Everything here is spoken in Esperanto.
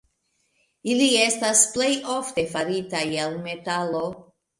Ili estas plej ofte faritaj el metalo.